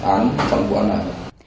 án trong vụ án này